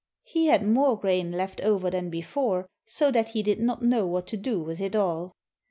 He had more grain left over than before, so that he did not know what to do with it all.